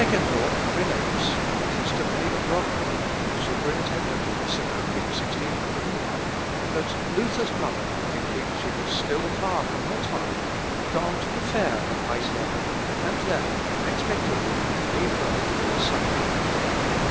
Seckendorff relates, on the testimony of Robhan, superintendant of Isenach in 1601, that Luther's mother, thinking she was still far from her time, had gone to the fair of Eisleben, and there, unexpectedly, gave birth to a son.